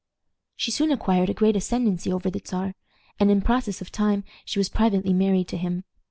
She soon acquired a great ascendency over the Czar, and in process of time she was privately married to him.